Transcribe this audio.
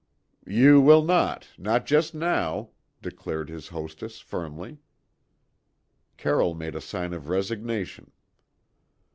"Ye will not, no just now," declared his hostess firmly. Carroll made a sign of resignation.